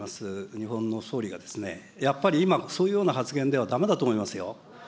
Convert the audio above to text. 日本の総理がですね、やっぱり今、そういうような発言ではだめだと思いますよ。